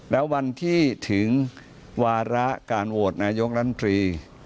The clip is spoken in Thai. แล้ววันที่ถึงวาระการโหวตนายกรัฐมนตรี